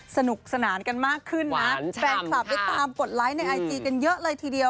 สนุกสนานกันมากขึ้นนะแฟนคลับได้ตามกดไลค์ในไอจีกันเยอะเลยทีเดียว